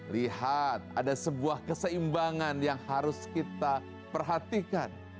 lihat ada sebuah keseimbangan yang harus kita perhatikan